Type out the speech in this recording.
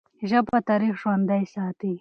ژبه تاریخ ژوندی ساتي.